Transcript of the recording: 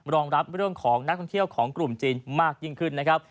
รองรับเรื่องของนักท่องเที่ยวของกลุ่มจีนมากยิ่งขึ้นนะครับ